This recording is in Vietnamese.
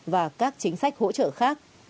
và các chính sách hỗ trợ khác